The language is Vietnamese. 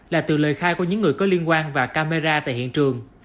là từ lời khai của những người có liên quan và camera tại hiện trường